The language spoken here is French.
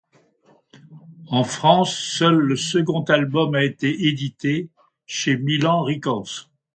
En France, seul le second album a été édité, chez Milan Records.